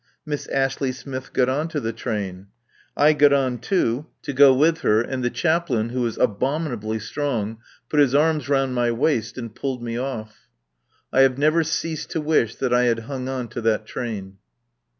Miss Ashley Smith got on to the train. I got on too, to go with her, and the Chaplain, who is abominably strong, put his arms round my waist and pulled me off. I have never ceased to wish that I had hung on to that train.